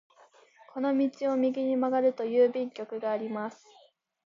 この道を右に曲がると郵便局があります。